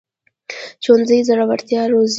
ښوونځی زړورتیا روزي